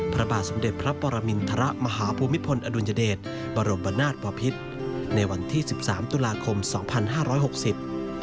พระบาทสมเด็จพระปรมินทรมาหาภูมิพลอดุลยเดชบรมนาศบอพิษในวันที่สิบสามตุลาคมสองพันห้าร้อยหกสิบ